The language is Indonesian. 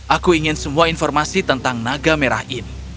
aku ingin semua informasi tentang naga merah ini